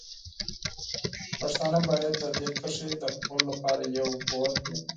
پښتانه باید د دې کرښې د ختمولو لپاره یو قوت وي.